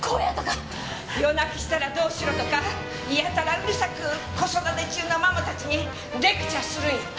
夜泣きしたらどうしろとかやたらうるさく子育て中のママたちにレクチャーするんやって。